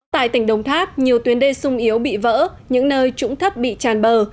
tại tỉnh đồng tháp nhiều tuyến đê sung yếu bị vỡ những nơi trũng thấp bị tràn bờ